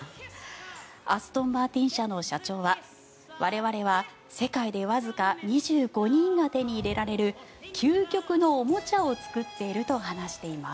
アストンマーティン社の社長は我々は、世界でわずか２５人が手に入れられる究極のおもちゃを作っていると話しています。